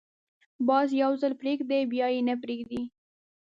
باز یو ځل پرېږدي، بیا یې نه پریږدي